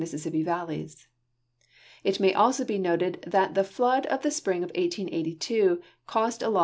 ssissipi)i valleys. It may also be noted that the flood of the spring of 1882 caused a lo.